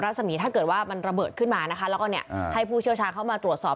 สมีถ้าเกิดว่ามันระเบิดขึ้นมานะคะแล้วก็เนี่ยให้ผู้เชี่ยวชาญเข้ามาตรวจสอบ